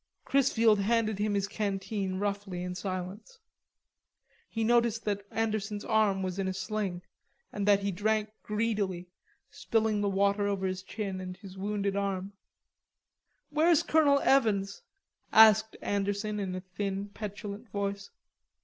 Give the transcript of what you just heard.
Chrisfield handed him his canteen roughly in silence. He noticed that Anderson's arm was in a sling, and that he drank greedily, spilling the water over his chin and his wounded arm. "Where's Colonel Evans?" asked Anderson in a thin petulant voice.